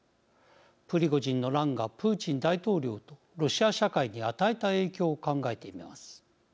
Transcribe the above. プリゴジンの乱がプーチン大統領とロシア社会に与えた影響を考えてみます。